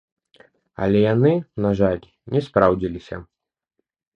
Але яны, на жаль, не спраўдзіліся.